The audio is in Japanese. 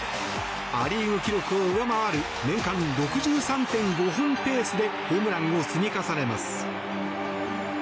ア・リーグ記録を上回る年間６３．５本ペースでホームランを積み重ねます。